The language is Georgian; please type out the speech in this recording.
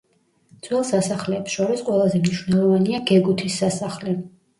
ძველ სასახლეებს შორის ყველაზე მნიშვნელოვანია გეგუთის სასახლე.